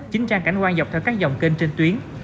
chính trang cảnh quan dọc theo các dòng kênh trên tuyến